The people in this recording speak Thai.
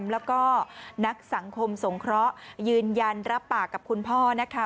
แล้วก็นักสังคมสงเคราะห์ยืนยันรับปากกับคุณพ่อนะคะ